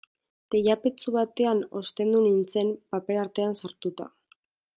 Teilapetxu batean ostendu nintzen, paper artean sartuta.